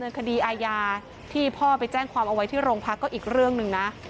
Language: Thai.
คดีอาญาที่พ่อไปแจ้งความเอาไว้ที่โรงพักก็อีกเรื่องหนึ่งนะ